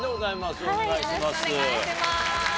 よろしくお願いします！